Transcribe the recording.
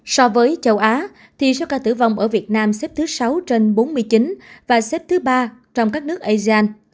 so với châu á thì số ca tử vong ở việt nam xếp thứ sáu trên bốn mươi chín và xếp thứ ba trong các nước asean